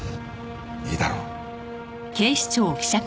いいだろう。